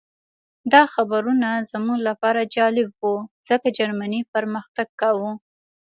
دا خبرونه زموږ لپاره جالب وو ځکه جرمني پرمختګ کاوه